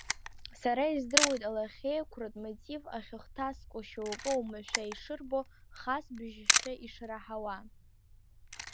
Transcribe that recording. Сара издыруеит алахьеиқәратә мотив ахьыхҭаскцәо шьоукы омашәа ишырбо, хас бжьшәа ишраҳауа.